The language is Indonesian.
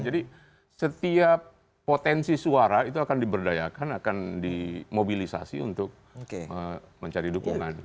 jadi setiap potensi suara itu akan diberdayakan akan dimobilisasi untuk mencari dukungan